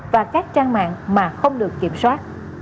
và các trang mạng mà không được kiểm soát